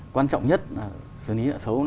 quan trọng nhất xử lý nợ sầu